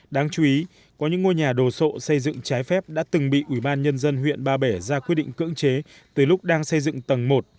đáng chú ý có những ngôi nhà đồ sộ xây dựng trái phép đã từng bị ủy ban nhân dân huyện ba bể ra quyết định cưỡng chế từ lúc đang xây dựng tầng một